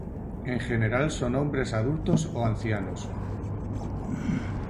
En general son hombres adultos o ancianos.